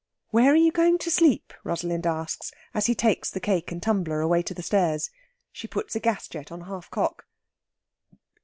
"Where are you going to sleep?" Rosalind asks, as he takes the cake and tumbler away to the stairs. She puts a gas jet on half cock.